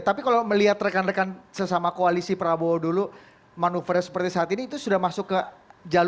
tapi kalau melihat rekan rekan sesama koalisi prabowo dulu manuvernya seperti saat ini itu sudah masuk ke jalur